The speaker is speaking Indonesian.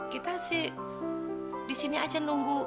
kita sih di sini aja nunggu